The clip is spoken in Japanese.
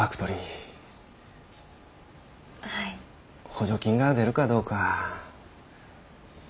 補助金が出るかどうか。